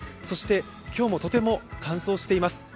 そして今日もとても乾燥しています。